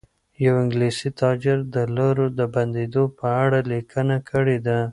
یو انګلیسي تاجر د لارو د بندېدو په اړه لیکنه کړې ده.